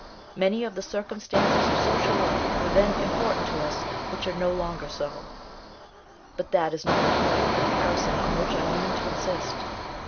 Many of the circumstances of social life were then important to us which are now no longer so. But that is not the point of comparison on which I mean to insist.